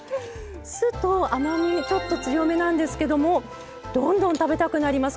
酢と甘みちょっと強めなんですけどもどんどん食べたくなります。